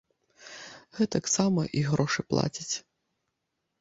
Гэтаксама і грошы плацяць.